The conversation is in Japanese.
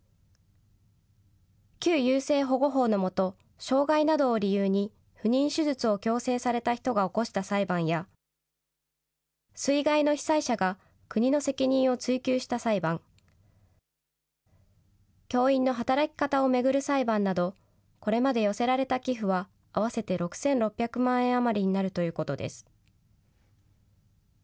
旧優生保護法の下、障害などを理由に不妊手術を強制された人が起こした裁判や、水害の被災者が国の責任を追及した裁判、教員の働き方を巡る裁判など、これまで寄せられた寄付は合わせて６６００万円余りになるということです。